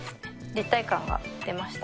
立体感が出ました。